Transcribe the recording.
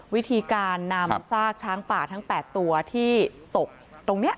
วิธีการนำซากช้างป่าทั้ง๘ตัวที่ตกตรงนี้